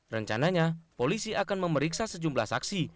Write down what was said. rencananya polisi akan memeriksa sejumlah saksi